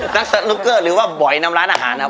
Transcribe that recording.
สนุกเกอร์หรือว่าบอยนำร้านอาหารนะครับ